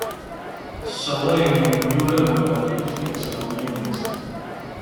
Sserwayen yemyurar-nneɣ lḥif i yisleɣmayen-nsen.